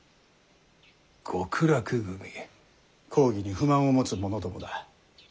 公儀に不満を持つ者どもだ。